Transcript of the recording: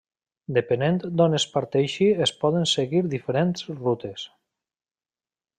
Depenent d'on es parteixi es poden seguir diferents rutes.